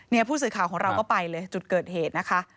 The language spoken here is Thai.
ผู้สื่อข่าวของเราก็ไปเลยจุดเกิดเหตุนะคะ